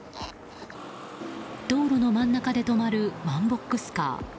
道路の真ん中で止まるワンボックスカー。